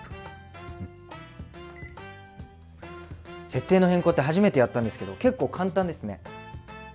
設定の変更って初めてやったんですけど結構簡単ですね。